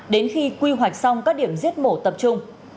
đến khi quy hoạch xong các điểm giết mổ tập trung